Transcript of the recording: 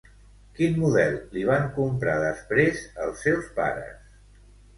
Quin model li van comprar, després, els seus pares?